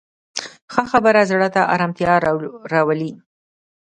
ښه خبره زړه ته ارامتیا راولي